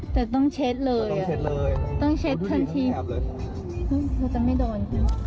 แต่ต้องเช็ดเลยต้องเช็ดทันทีเขาจะไม่โดน